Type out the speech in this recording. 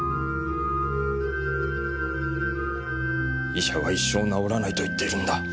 医者は一生治らないと言っているんだ。